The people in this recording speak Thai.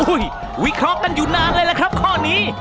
วิเคราะห์กันอยู่นานเลยล่ะครับข้อนี้